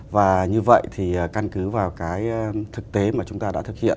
và như vậy thì căn cứ vào cái thực tế mà chúng ta đã thực hiện